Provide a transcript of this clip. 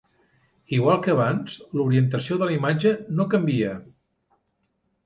Igual que abans, l'orientació de la imatge no canvia.